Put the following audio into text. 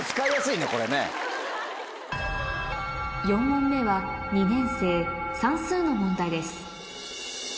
４問目は２年生算数の問題です